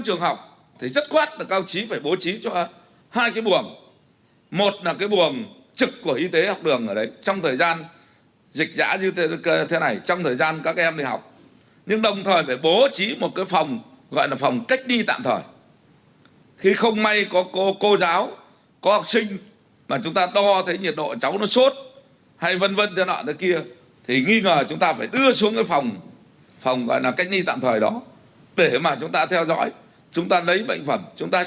phòng gọi là cách nghi tạm thời đó để mà chúng ta theo dõi chúng ta lấy bệnh phẩm chúng ta xét nghiệm